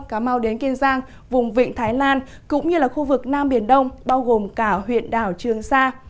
cà mau đến kiên giang vùng vịnh thái lan cũng như là khu vực nam biển đông bao gồm cả huyện đảo trường sa